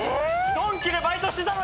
ドンキでバイトしてたのに！